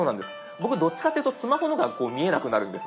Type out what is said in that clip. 僕どっちかっていうとスマホの方が見えなくなるんです。